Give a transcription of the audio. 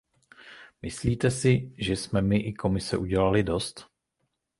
Myslíte si, že jsme my i Komise udělali dost?